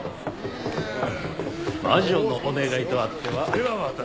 魔女のお願いとあっては。